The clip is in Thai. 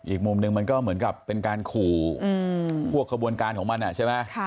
อีกมุมหนึ่งมันก็เหมือนกับเป็นการขู่พวกขบวนการของมันใช่ไหม